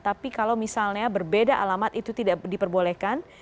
tapi kalau misalnya berbeda alamat itu tidak diperbolehkan